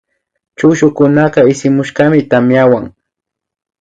Chukllukunaka ismushkami kan tamyawan